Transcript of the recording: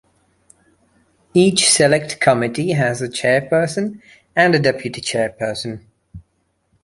Each select committee has a chairperson and a deputy chairperson.